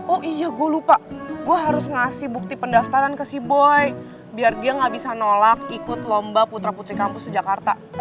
oh iya gue lupa gue harus ngasih bukti pendaftaran ke sea boy biar dia gak bisa nolak ikut lomba putra putri kampus di jakarta